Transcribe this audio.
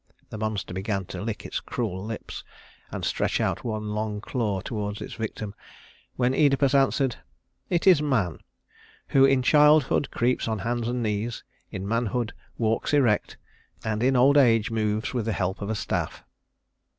The monster began to lick its cruel lips, and stretch out one long claw toward its victim, when Œdipus answered: "It is man, who in childhood creeps on hands and knees, in manhood walks erect, and in old age moves with the help of a staff."